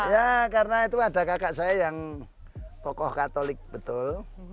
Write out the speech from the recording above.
ya karena itu ada kakak saya yang tokoh katolik betul